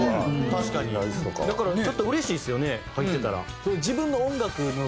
だからちょっと嬉しいですよね入ってたら。